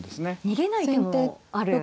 逃げない手もある。